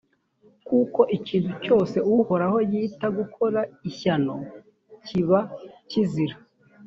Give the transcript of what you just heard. kuko ikintu cyose uhoraho yita gukora ishyano kiba kizira,